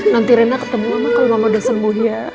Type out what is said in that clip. nanti rena ketemu mama kalau mama udah sembuh ya